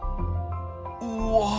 うわ！